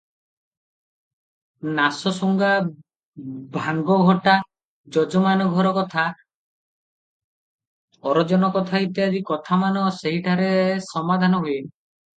ନାସସୁଙ୍ଗା, ଭାଙ୍ଗ ଘୋଟା, ଯଜମାନ ଘର କଥା, ଅରଜନ କଥା ଇତ୍ୟାଦି କଥାମାନ ସେହିଠାରେ ସମାଧାନ ହୁଏ ।